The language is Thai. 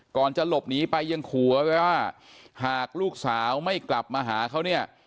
ก่อนจะหลบหนีไปยังขัวไว้ว่าหากลูกสาวไม่กลับมาหาเขาเนี่ย